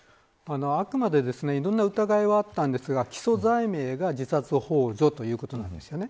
あくまでいろんな疑いはあったんですが起訴罪名が自殺ほう助ということなんですよね。